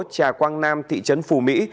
trà quang nam thị trấn phù mỹ